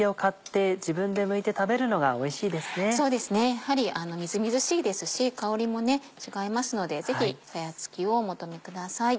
やはりみずみずしいですし香りも違いますのでぜひさやつきをお求めください。